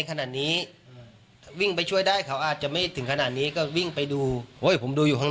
บอกให้ไปดูพี่หน่อยพี่เขาจะฆ่าตัวตาย